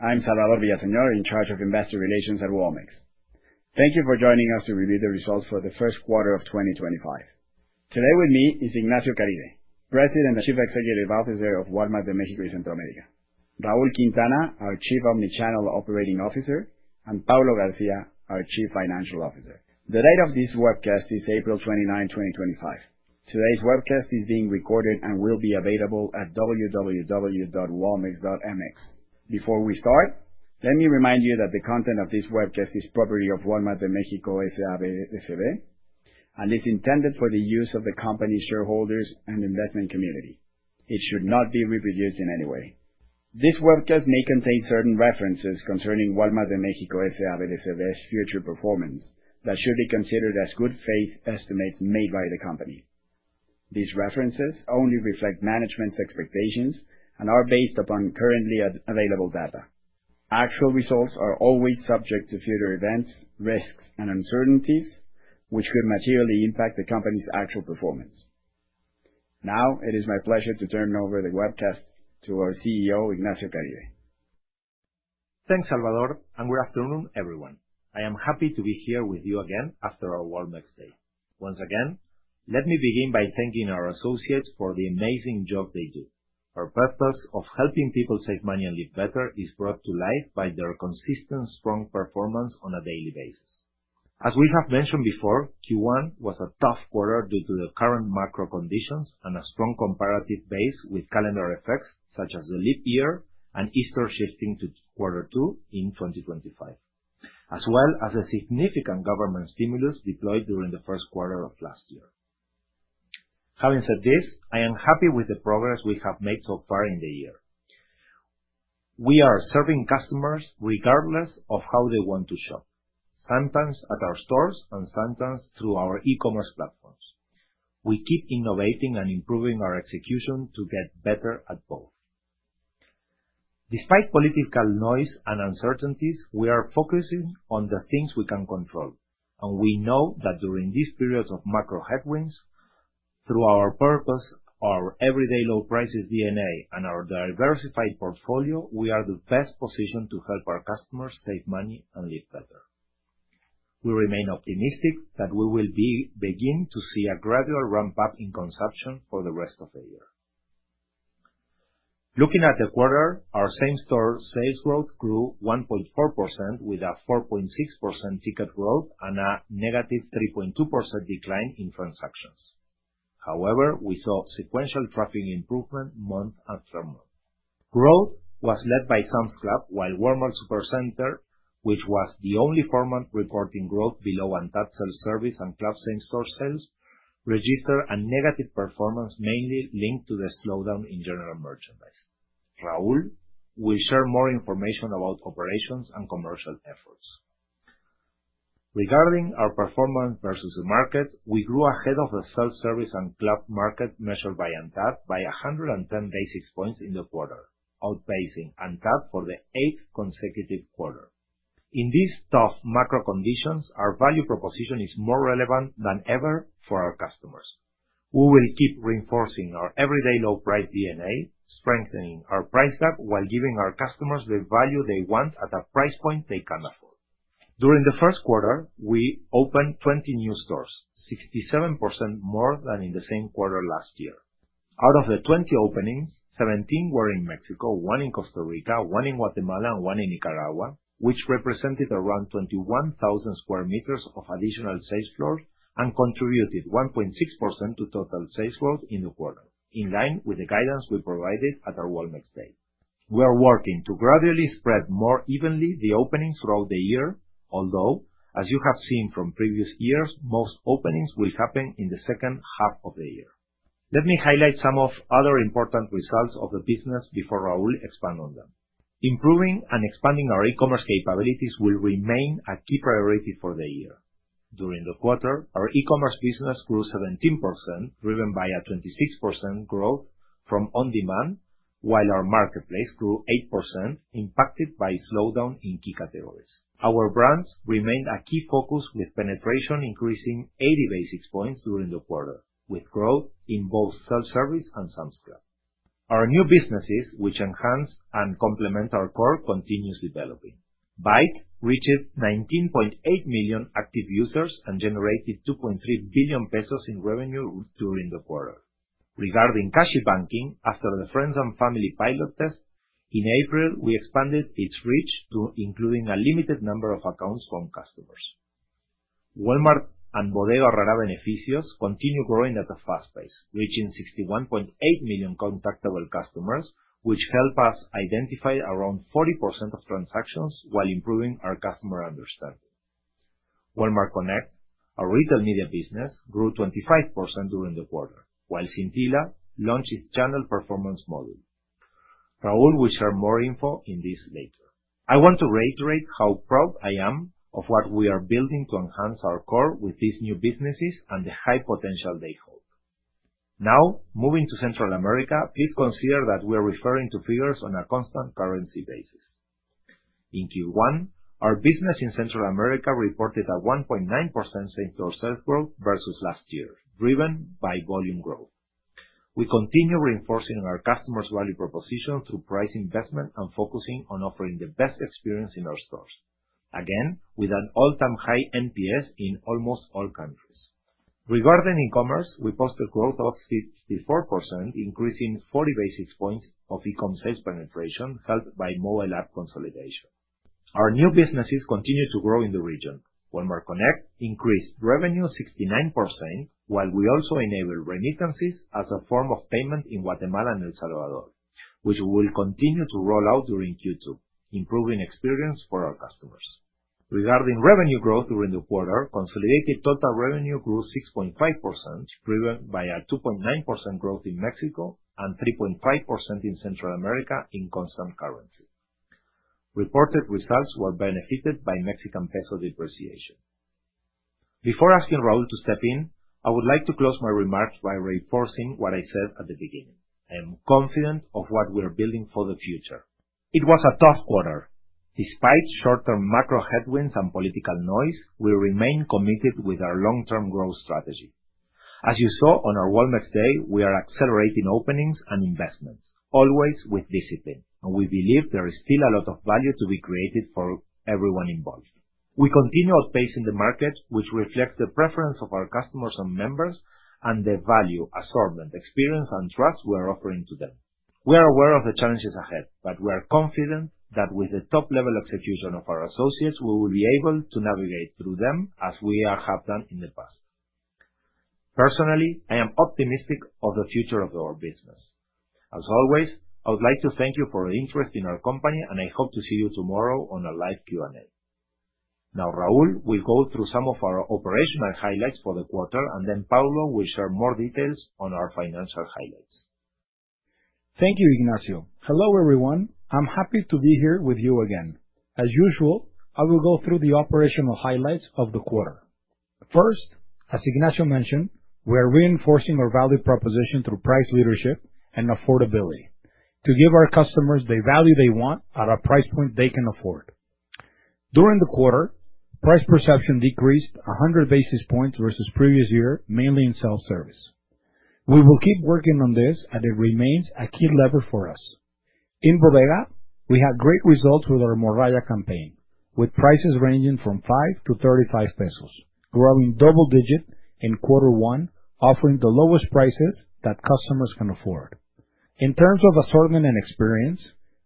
I'm Salvador Villaseñor, in charge of Investor Relations at Walmart. Thank you for joining us to review the results for the Q1 of 2025. Today with me is Ignacio Caride, President and Chief Executive Officer of Walmart de México y Centroamérica; Raúl Quintana, our Chief Omnichannel Operating Officer; and Paulo Garcia, our Chief Financial Officer. The date of this webcast is 29 April 2025. Today's webcast is being recorded and will be available at www.walmex.mx. Before we start, let me remind you that the content of this webcast is property of Walmart de México S.A.B. de C.V. and is intended for the use of the company's shareholders and investment community. It should not be reproduced in any way. This webcast may contain certain references concerning Walmart de México S.A.B. de C.V.'s future performance that should be considered as good faith estimates made by the company. These references only reflect management's expectations and are based upon currently available data. Actual results are always subject to future events, risks, and uncertainties, which could materially impact the company's actual performance. Now, it is my pleasure to turn over the webcast to our CEO, Ignacio Caride. Thanks, Salvador, and good afternoon, everyone. I am happy to be here with you again after our Walmex Day. Once again, let me begin by thanking our associates for the amazing job they do. Our purpose of helping people save money and live better is brought to life by their consistent, strong performance on a daily basis. As we have mentioned before, Q1 was a tough quarter due to the current macro conditions and a strong comparative base with calendar effects such as the leap year and Easter shifting to Q2 in 2025, as well as a significant government stimulus deployed during the Q1 of last year. Having said this, I am happy with the progress we have made so far in the year. We are serving customers regardless of how they want to shop, sometimes at our stores and sometimes through our e-commerce platforms. We keep innovating and improving our execution to get better at both. Despite political noise and uncertainties, we are focusing on the things we can control, and we know that during these periods of macro headwinds, through our purpose, our Every Day Low Prices DNA, and our diversified portfolio, we are in the best position to help our customers save money and live better. We remain optimistic that we will begin to see a gradual ramp-up in consumption for the rest of the year. Looking at the quarter, our same-store sales growth grew 1.4% with a 4.6% ticket growth and a negative 3.2% decline in transactions. However, we saw sequential traffic improvement month after month. Growth was led by Sam's Club, while Walmart Supercenter, which was the only format reporting growth below ANTAD self-service and club same-store sales, registered a negative performance mainly linked to the slowdown in general merchandise. Raúl will share more information about operations and commercial efforts. Regarding our performance versus the market, we grew ahead of the self-service and club market measured by ANTAD by 110 basis points in the quarter, outpacing ANTAD for the eighth consecutive quarter. In these tough macro conditions, our value proposition is more relevant than ever for our customers. We will keep reinforcing our Every Day Low Price DNA, strengthening our price gap while giving our customers the value they want at a price point they can afford. During the Q1, we opened 20 new stores, 67% more than in the same quarter last year. Out of the 20 openings, 17 were in Mexico, one in Costa Rica, one in Guatemala, and one in Nicaragua, which represented around 21,000 square meters of additional sales floors and contributed 1.6% to total sales growth in the quarter, in line with the guidance we provided at our Walmex Day. We are working to gradually spread more evenly the openings throughout the year, although, as you have seen from previous years, most openings will happen in the second half of the year. Let me highlight some other important results of the business before Raúl expands on them. Improving and expanding our e-commerce capabilities will remain a key priority for the year. During the quarter, our e-commerce business grew 17%, driven by a 26% growth from On-Demand, while our marketplace grew 8%, impacted by slowdown in key categories. Our brands remained a key focus, with penetration increasing 80 basis points during the quarter, with growth in both self-service and Sam's Club. Our new businesses, which enhance and complement our core, continue developing. Bait reached 19.8 million active users and generated 2.3 billion pesos in revenue during the quarter. Regarding Cashi Banking, after the friends and family pilot test in April, we expanded its reach to include a limited number of accounts from customers. Walmart and Bodega Aurrera Beneficios continue growing at a fast pace, reaching 61.8 million contactable customers, which helps us identify around 40% of transactions while improving our customer understanding. Walmart Connect, our retail media business, grew 25% during the quarter, while Scintilla launched its Channel Performance module. Raúl will share more info on this later. I want to reiterate how proud I am of what we are building to enhance our core with these new businesses and the high potential they hold. Now, moving to Central America, please consider that we are referring to figures on a constant currency basis. In Q1, our business in Central America reported a 1.9% same-store sales growth versus last year, driven by volume growth. We continue reinforcing our customers' value proposition through price investment and focusing on offering the best experience in our stores, again with an all-time high NPS in almost all countries. Regarding e-commerce, we posted growth of 64%, increasing 40 basis points of e-commerce sales penetration, helped by mobile app consolidation. Our new businesses continue to grow in the region. Walmart Connect increased revenue 69%, while we also enabled remittances as a form of payment in Guatemala and El Salvador, which we will continue to roll out during Q2, improving experience for our customers. Regarding revenue growth during the quarter, consolidated total revenue grew 6.5%, driven by a 2.9% growth in Mexico and 3.5% in Central America in constant currency. Reported results were benefited by Mexican peso depreciation. Before asking Raúl to step in, I would like to close my remarks by reinforcing what I said at the beginning. I am confident of what we are building for the future. It was a tough quarter. Despite short-term macro headwinds and political noise, we remain committed with our long-term growth strategy. As you saw on our Walmex Day, we are accelerating openings and investments, always with discipline, and we believe there is still a lot of value to be created for everyone involved. We continue outpacing the market, which reflects the preference of our customers and members and the value, assortment, experience, and trust we are offering to them. We are aware of the challenges ahead, but we are confident that with the top-level execution of our associates, we will be able to navigate through them as we have done in the past. Personally, I am optimistic of the future of our business. As always, I would like to thank you for your interest in our company, and I hope to see you tomorrow on a live Q&A. Now, Raúl will go through some of our operational highlights for the quarter, and then Paulo will share more details on our financial highlights. Thank you, Ignacio. Hello, everyone. I'm happy to be here with you again. As usual, I will go through the operational highlights of the quarter. First, as Ignacio mentioned, we are reinforcing our value proposition through price leadership and affordability to give our customers the value they want at a price point they can afford. During the quarter, price perception decreased 100 basis points versus the previous year, mainly in self-service. We will keep working on this, and it remains a key lever for us. In Bodega, we had great results with our Morralla campaign, with prices ranging from 5 to 35, growing double-digit in Q1, offering the lowest prices that customers can afford. In terms of assortment and experience,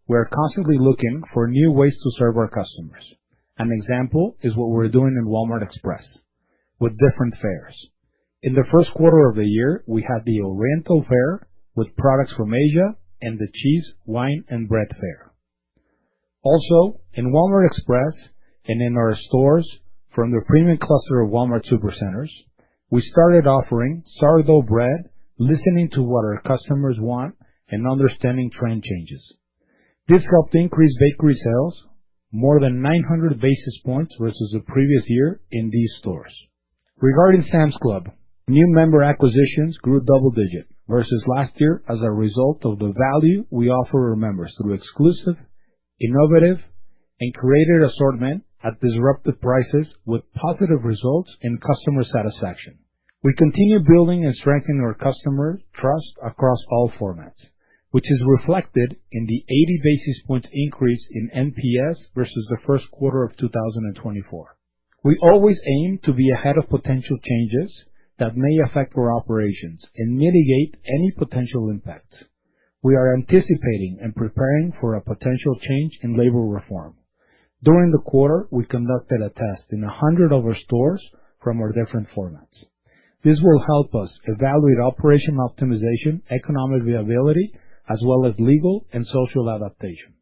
we are constantly looking for new ways to serve our customers. An example is what we're doing in Walmart Express with different fairs. In the Q1 of the year, we had the Oriental Fair with products from Asia and the Cheese, Wine & Bread Fair. Also, in Walmart Express and in our stores from the Premium Cluster of Walmart Supercenters, we started offering sourdough bread, listening to what our customers want and understanding trend changes. This helped increase bakery sales more than 900 basis points versus the previous year in these stores. Regarding Sam's Club, new member acquisitions grew double-digit versus last year as a result of the value we offer our members through exclusive, innovative, and curated assortment at disruptive prices, with positive results in customer satisfaction. We continue building and strengthening our customer trust across all formats, which is reflected in the 80 basis points increase in NPS versus the Q1 of 2024. We always aim to be ahead of potential changes that may affect our operations and mitigate any potential impacts. We are anticipating and preparing for a potential change in labor reform. During the quarter, we conducted a test in 100 of our stores from our different formats. This will help us evaluate operational optimization, economic viability, as well as legal and social adaptation.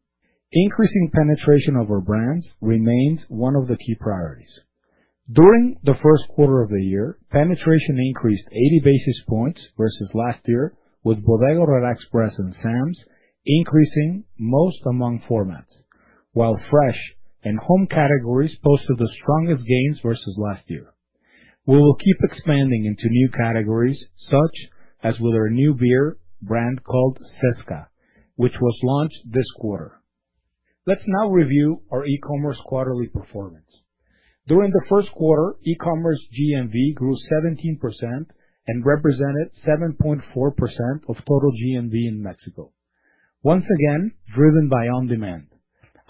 Increasing penetration of our brands remains one of the key priorities. During the Q1 of the year, penetration increased 80 basis points versus last year, with Bodega Aurrera Express and Sam's increasing most among formats, while fresh and home categories posted the strongest gains versus last year. We will keep expanding into new categories, such as with our new beer brand called Cezka, which was launched this quarter. Let's now review our e-commerce quarterly performance. During the Q1, e-commerce GMV grew 17% and represented 7.4% of total GMV in Mexico, once again driven by On-Demand.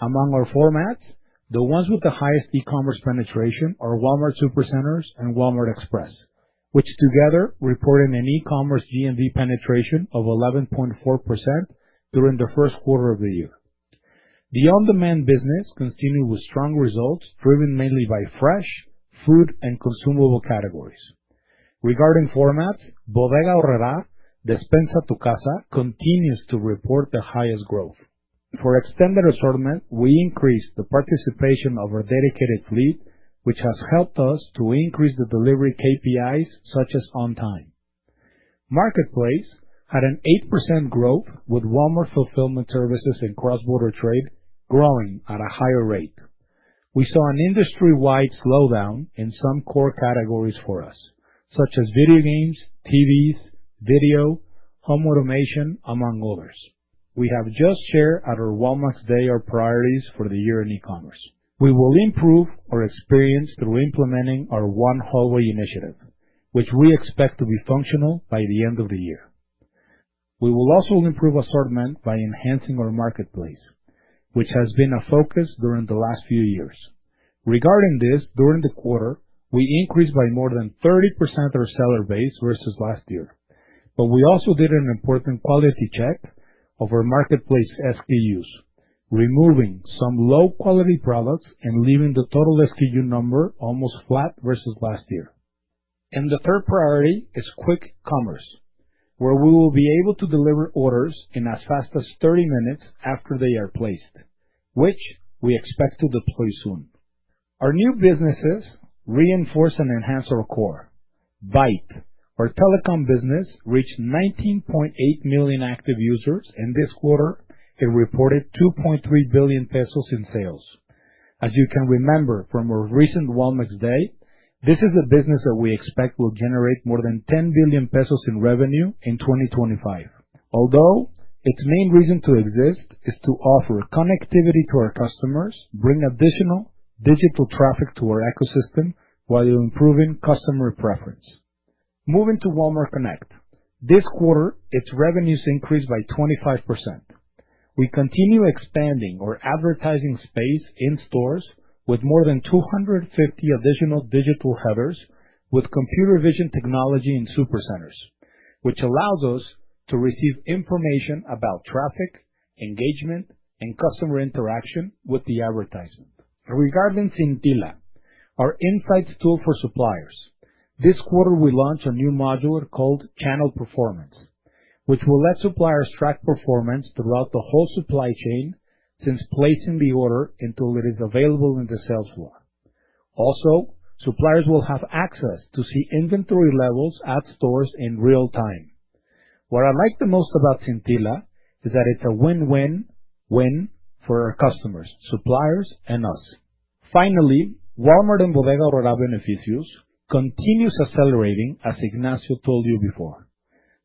Among our formats, the ones with the highest e-commerce penetration are Walmart Supercenters and Walmart Express, which together reported an e-commerce GMV penetration of 11.4% during the Q1 of the year. The On-Demand business continued with strong results, driven mainly by Fresh, Food, and Consumable categories. Regarding formats, Bodega Aurrera "Despensa a tu Casa" continues to report the highest growth. For Extended Assortment, we increased the participation of our dedicated fleet, which has helped us to increase the delivery KPIs such as On-Time. Marketplace had an 8% growth, with Walmart Fulfillment Services and Cross Border trade growing at a higher rate. We saw an industry-wide slowdown in some core categories for us, such as video games, TVs, video, home automation, among others. We have just shared at our Walmex Day our priorities for the year in e-commerce. We will improve our experience through implementing our One Hallway initiative, which we expect to be functional by the end of the year. We will also improve assortment by enhancing our Marketplace, which has been a focus during the last few years. Regarding this, during the quarter, we increased by more than 30% our seller base versus last year, but we also did an important quality check of our Marketplace SKUs, removing some low-quality products and leaving the total SKU number almost flat versus last year. The third priority is Quick Commerce, where we will be able to deliver orders in as fast as 30 minutes after they are placed, which we expect to deploy soon. Our new businesses reinforce and enhance our core. Bait, our telecom business, reached 19.8 million active users in this quarter and reported 2.3 billion pesos in sales. As you can remember from our recent Walmex Day, this is a business that we expect will generate more than 10 billion pesos in revenue in 2025. Although its main reason to exist is to offer connectivity to our customers, bring additional digital traffic to our ecosystem while improving customer preference. Moving to Walmart Connect, this quarter, its revenues increased by 25%. We continue expanding our advertising space in stores with more than 250 additional digital headers with computer vision technology in Supercenters, which allows us to receive information about traffic, engagement, and customer interaction with the advertisement. Regarding Scintilla, our insights tool for suppliers, this quarter we launched a new module called Channel Performance, which will let suppliers track performance throughout the whole supply chain since placing the order until it is available in the sales floor. Also, suppliers will have access to see inventory levels at stores in real time. What I like the most about Scintilla is that it's a win-win-win for our customers, suppliers, and us. Finally, Walmart and Bodega Aurrera Beneficios continues accelerating, as Ignacio told you before.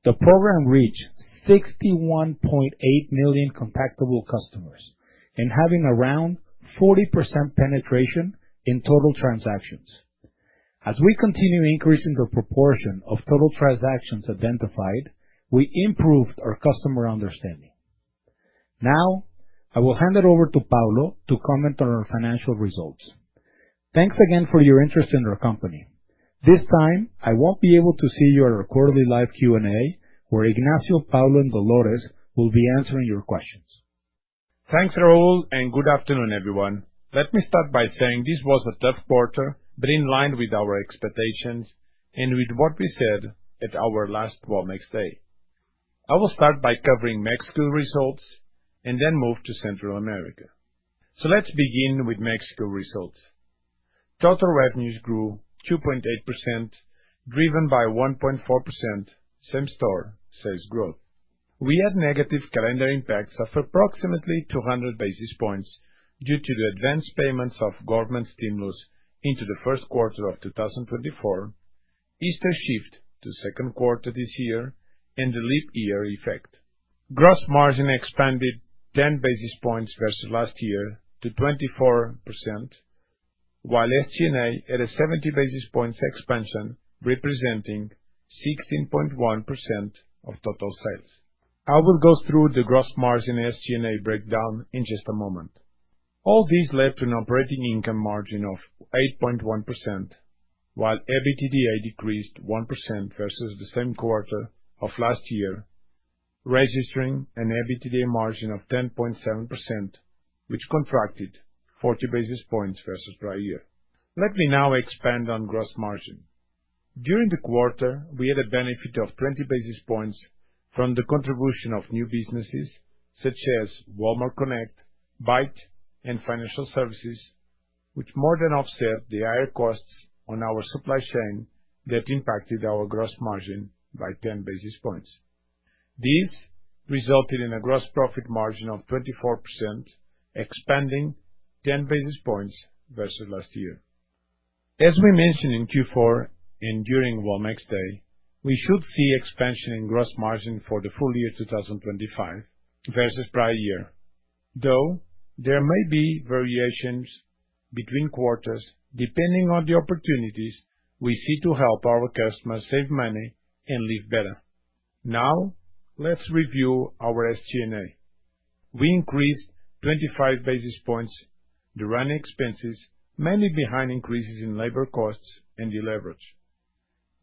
The program reached 61.8 million contactable customers and having around 40% penetration in total transactions. As we continue increasing the proportion of total transactions identified, we improved our customer understanding. Now, I will hand it over to Paulo to comment on our financial results. Thanks again for your interest in our company. This time, I won't be able to see you at our quarterly live Q&A, where Ignacio, Paulo, and Dolores will be answering your questions. Thanks, Raúl, and good afternoon, everyone. Let me start by saying this was a tough quarter, but in line with our expectations and with what we said at our last Walmex Day. I will start by covering Mexico results and then move to Central America. Let's begin with Mexico results. Total revenues grew 2.8%, driven by 1.4% same-store sales growth. We had negative calendar impacts of approximately 200 basis points due to the advanced payments of government stimulus into the Q1 of 2024, Easter shift to Q2 this year, and the leap year effect. Gross margin expanded 10 basis points versus last year to 24%, while SG&A had a 70 basis points expansion representing 16.1% of total sales. I will go through the gross margin SG&A breakdown in just a moment. All these led to an operating income margin of 8.1%, while EBITDA decreased 1% versus the same quarter of last year, registering an EBITDA margin of 10.7%, which contracted 40 basis points versus prior year. Let me now expand on gross margin. During the quarter, we had a benefit of 20 basis points from the contribution of new businesses such as Walmart Connect, Bait and Financial Services, which more than offset the higher costs on our supply chain that impacted our gross margin by 10 basis points. This resulted in a gross profit margin of 24%, expanding 10 basis points versus last year. As we mentioned in Q4 and during Walmex Day, we should see expansion in gross margin for the full year 2025 versus prior year, though there may be variations between quarters depending on the opportunities we see to help our customers save money and live better. Now, let's review our SG&A. We increased 25 basis points. The running expenses mainly behind increases in labor costs and deleverage.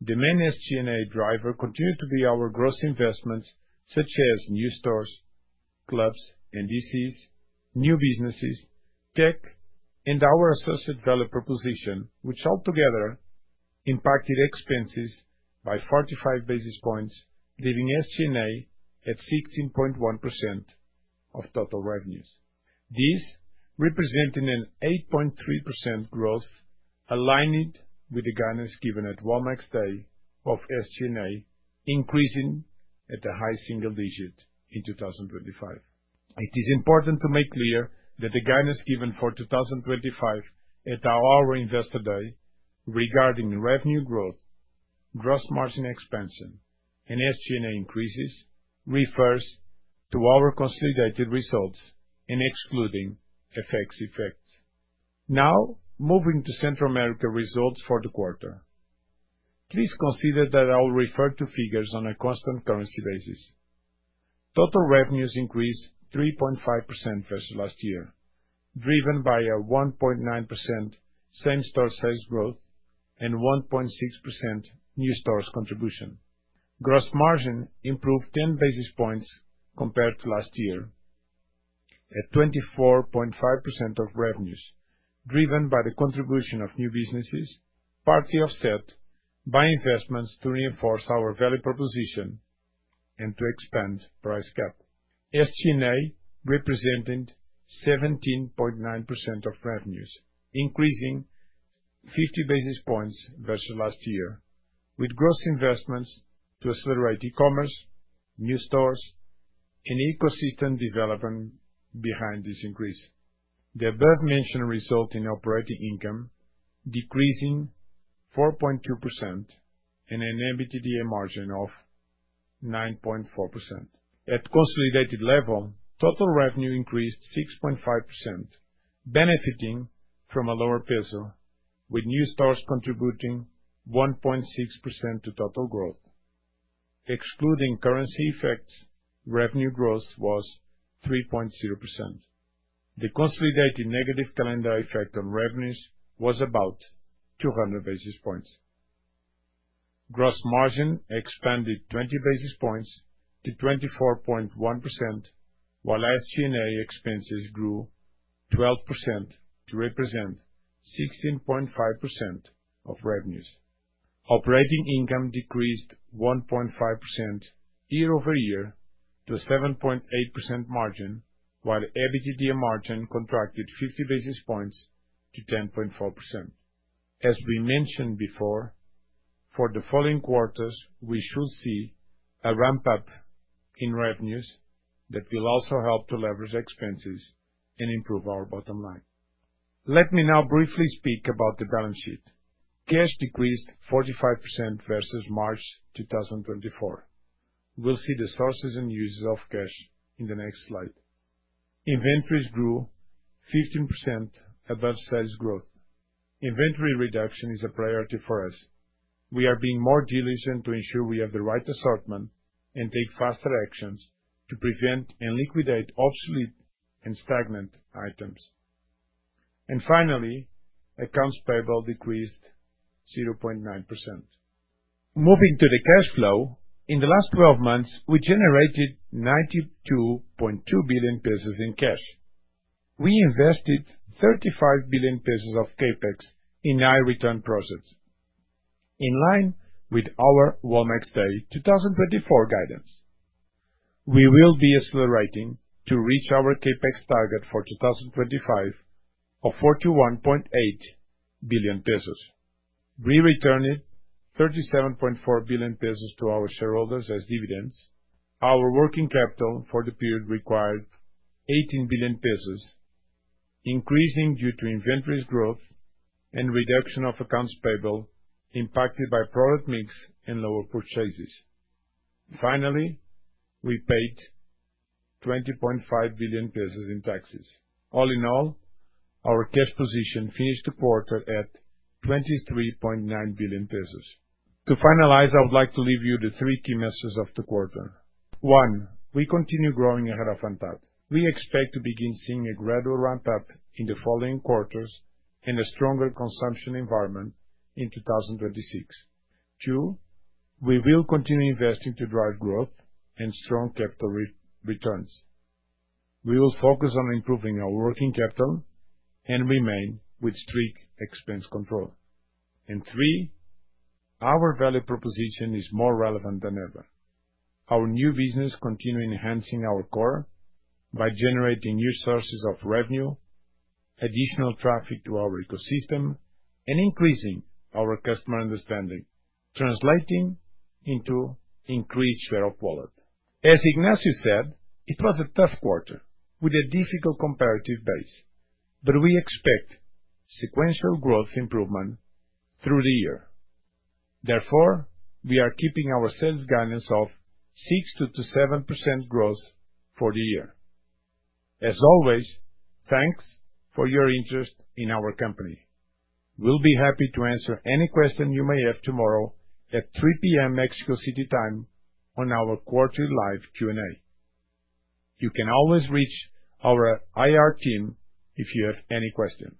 The main SG&A driver continued to be our gross investments such as new stores, clubs, and DCs, new businesses, tech, and our associate developer position, which altogether impacted expenses by 45 basis points, leaving SG&A at 16.1% of total revenues. This represented an 8.3% growth, aligning with the guidance given at Walmex Day of SG&A, increasing at a high single digit in 2025. It is important to make clear that the guidance given for 2025 at our Investor Day regarding revenue growth, gross margin expansion, and SG&A increases refers to our consolidated results and excluding FX effects. Now, moving to Central America results for the quarter. Please consider that I will refer to figures on a constant currency basis. Total revenues increased 3.5% versus last year, driven by a 1.9% same-store sales growth and 1.6% new stores contribution. Gross margin improved 10 basis points compared to last year at 24.5% of revenues, driven by the contribution of new businesses, partly offset by investments to reinforce our value proposition and to expand price gap. SG&A represented 17.9% of revenues, increasing 50 basis points versus last year, with gross investments to accelerate e-commerce, new stores, and ecosystem development behind this increase. The above-mentioned result in operating income decreased 4.2% and an EBITDA margin of 9.4%. At consolidated level, total revenue increased 6.5%, benefiting from a lower peso, with new stores contributing 1.6% to total growth. Excluding currency effects, revenue growth was 3.0%. The consolidated negative calendar effect on revenues was about 200 basis points. Gross margin expanded 20 basis points to 24.1%, while SG&A expenses grew 12% to represent 16.5% of revenues. Operating income decreased 1.5% year-over-year to a 7.8% margin, while EBITDA margin contracted 50 basis points to 10.4%. As we mentioned before, for the following quarters, we should see a ramp-up in revenues that will also help to leverage expenses and improve our bottom line. Let me now briefly speak about the balance sheet. Cash decreased 45% versus March 2024. We will see the sources and uses of cash in the next slide. Inventories grew 15% above sales growth. Inventory reduction is a priority for us. We are being more diligent to ensure we have the right assortment and take faster actions to prevent and liquidate obsolete and stagnant items. Finally, accounts payable decreased 0.9%. Moving to the cash flow, in the last 12 months, we generated 92.2 billion pesos in cash. We invested 35 billion pesos of CAPEX in high return projects, in line with our Walmex Day 2024 guidance. We will be accelerating to reach our CAPEX target for 2025 of 41.8 billion pesos, re-returning 37.4 billion pesos to our shareholders as dividends. Our working capital for the period required 18 billion pesos, increasing due to inventory growth and reduction of accounts payable impacted by product mix and lower purchases. Finally, we paid 20.5 billion pesos in taxes. All in all, our cash position finished the quarter at 23.9 billion pesos. To finalize, I would like to leave you the three key messages of the quarter. One, we continue growing ahead of ANTAD. We expect to begin seeing a gradual ramp-up in the following quarters and a stronger consumption environment in 2026. Two, we will continue investing to drive growth and strong capital returns. We will focus on improving our working capital and remain with strict expense control. Three, our value proposition is more relevant than ever. Our new business continues enhancing our core by generating new sources of revenue, additional traffic to our ecosystem, and increasing our customer understanding, translating into increased share of wallet. As Ignacio said, it was a tough quarter with a difficult comparative base, but we expect sequential growth improvement through the year. Therefore, we are keeping our sales guidance of 6% to 7% growth for the year. As always, thanks for your interest in our company. We'll be happy to answer any question you may have tomorrow at 3:00 P.M. Mexico City time on our quarterly live Q&A. You can always reach our IR team if you have any questions.